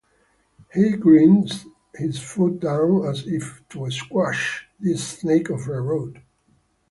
He grinds his foot down as if to squash this snake of a road.